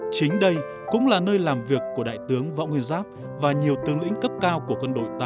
chính đây cũng là nơi làm việc của đại tướng võ nguyên giáp và nhiều tương lĩnh cấp cao của cơ sở